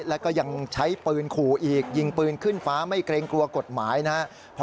แล้วก็ยังใช้ปืนขู่อีกยิงปืนขึ้นฟ้าไม่เกรงกลัวกฎหมายนะครับ